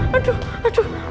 koro di sana di sini